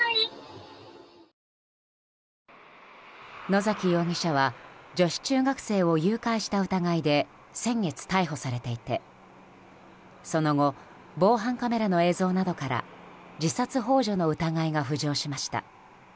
野崎容疑者は女子中学生を誘拐した疑いで先月、逮捕されていて、その後防犯カメラの映像などから自殺ほう助の疑いが浮上しました。